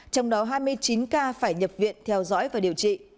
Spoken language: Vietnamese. trong đó hai mươi chín ca phải nhập viện theo dõi và điều trị